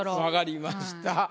分かりました。